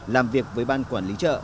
làm việc với ban quản lý chợ